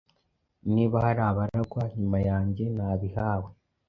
Niba hari abaragwa nyuma yanjye nabihawe